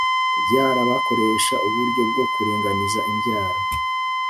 kubyara bakoresha uburyo bwo kuringaniza imbyaro